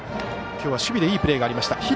今日は守備でいいプレーがありました。